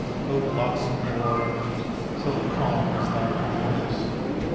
O blossom boy! so calm is thy repose.